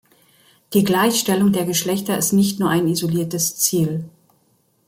Die Gleichstellung der Geschlechter ist nicht nur ein isoliertes Ziel.